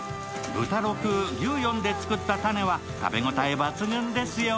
豚６、牛４で作ったタネは食べ応え抜群ですよ。